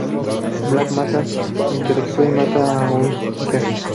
Black Manta lo intercepta y mata a Outsider.